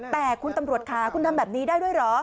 แต่คุณตำรวจค่ะคุณทำแบบนี้ได้ด้วยเหรอ